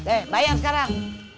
eh bayar sekarang